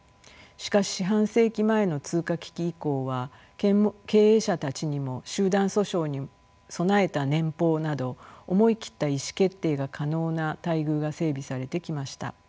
しかし四半世紀前の通貨危機以降は経営者たちにも集団訴訟に備えた年俸など思い切った意思決定が可能な待遇が整備されてきました。